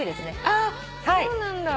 あっそうなんだ。